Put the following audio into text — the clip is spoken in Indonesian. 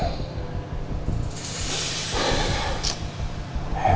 namun gimana keberadaan catherine